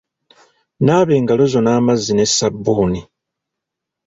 Naaba engalo zo n'amazzi ne sabbuuni.